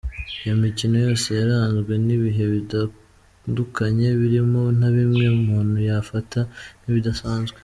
Iyo mikino yose yaranzwe n’ibihe bitandukanye, birimo na bimwe umuntu yafata nk’ibidasanzwe.